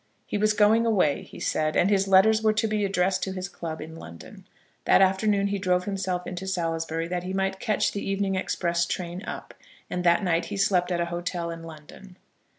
"He was going away," he said, and his letters were to be addressed to his club in London. That afternoon he drove himself into Salisbury that he might catch the evening express train up, and that night he slept at a hotel in London.